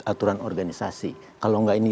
aturan organisasi kalau enggak ini